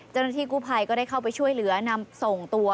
เจ้าหน้าที่กู้ภัยก็ได้เข้าไปช่วยเหลือนำส่งตัว